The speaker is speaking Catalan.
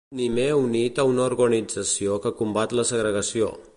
Ni m'he unit a una organització que combat la segregació.